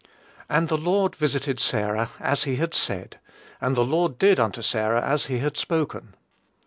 "And the Lord visited Sarah, as he had said, and the Lord did unto Sarah as he had spoken."